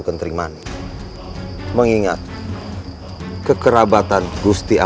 apakah dia keluar mengikuti sanctum lord daya atau tidak